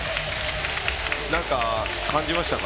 なんか感じましたか？